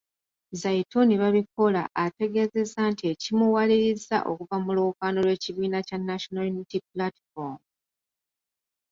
Zaitun Babikola ategeezezza nti ekimuwalirizza okuva mu lwokaano lw'ekibiina kya National Unity Platform.